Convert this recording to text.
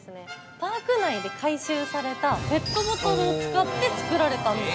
パーク内で回収されたペットボトルを使って作られたんです。